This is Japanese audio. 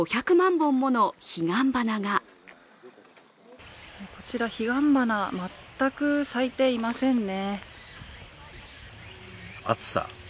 本もの彼岸花がこちら、彼岸花、全く咲いていませんね。